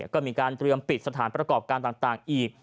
ก็มีการเตรียมปิดสถานประกอบการต่างอีก